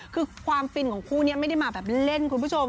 คือความฟินของคู่นี้ไม่ได้มาแบบเล่นคุณผู้ชม